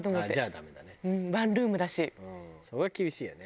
それは厳しいよね。